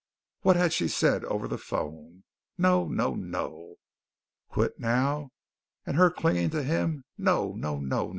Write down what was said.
What had she said over the phone? No! No! No! Quit now, and her clinging to him. No! No! No!